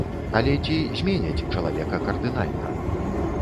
Але ці зменяць чалавека кардынальна?